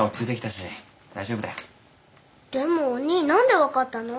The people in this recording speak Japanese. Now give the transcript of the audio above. でもおにぃ何で分かったの？